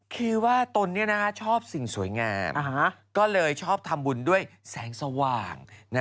คือว่าตนชอบสิ่งสวยงามก็เลยชอบทำบุญด้วยแสงสว่าง